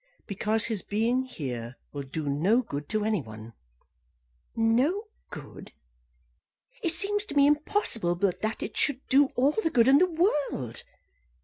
"Because his being here will do no good to any one." "No good! It seems to me impossible but that it should do all the good in the world.